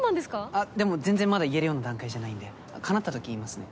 あっでも全然まだ言えるような段階じゃないんでかなったとき言いますね。